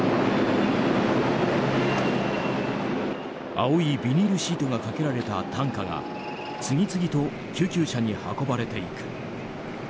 青いビニールシートがかけられた担架が次々と救急車に運ばれていく。